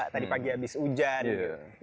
tadi pagi habis hujan